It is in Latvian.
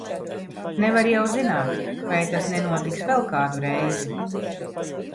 Nevar jau zināt, vai tas nenotiks vēl kādu reizi!